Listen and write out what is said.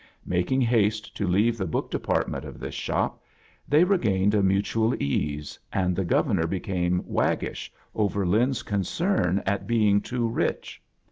Making haste to leave the book depart ment of this shop, they regained a mutual ease, and the Governor became waggish over Lin's concern at being too rich.